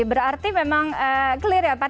berarti memang clear ya pak